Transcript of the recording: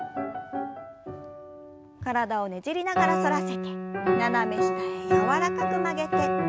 体をねじりながら反らせて斜め下へ柔らかく曲げて。